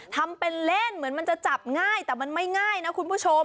ทำเป็นเล่นเหมือนมันจะจับง่ายแต่มันไม่ง่ายนะคุณผู้ชม